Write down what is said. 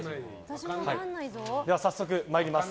では早速、参ります。